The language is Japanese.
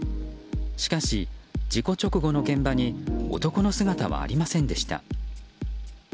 しかし事故直後の現場に男の姿はありませんでした。